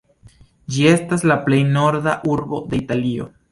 Ĝi estas la plej norda urbo de Italio.